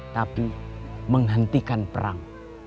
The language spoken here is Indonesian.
tapi menghentikan perang